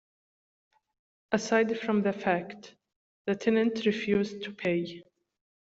Aside from the fact, the tenant refused to pay.